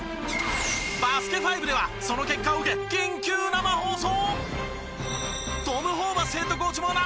『バスケ☆ＦＩＶＥ』ではその結果を受け緊急生放送！